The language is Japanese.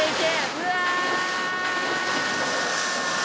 うわ！